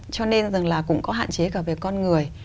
cho nên rằng là cũng có hạn chế cả về con người